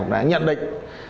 đã nhận định